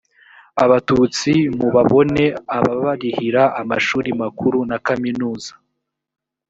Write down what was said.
abatutsi mu babone ababarihira amashuri makuru na kaminuza